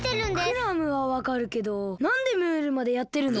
クラムはわかるけどなんでムールまでやってるの？